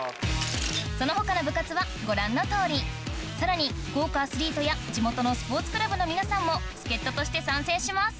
その他の部活はご覧の通りさらに豪華アスリートや地元のスポーツクラブの皆さんも助っ人として参戦します